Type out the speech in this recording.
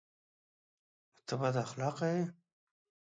_نو ته بد اخلاقه يې؟